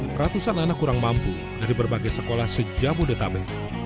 peratusan anak kurang mampu dari berbagai sekolah sejauh budetabek